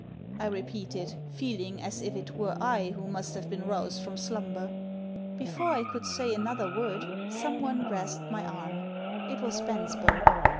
" I repeated, feeling as if it were I who must have been roused from slumber. Before I could say another word someone grasped my arm. It was Bensberg.